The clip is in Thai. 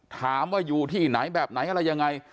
ถามว่าอยู่ที่ไหนแบบไหนอะไรยังไง